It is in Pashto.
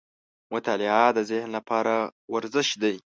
• مطالعه د ذهن لپاره ورزش دی.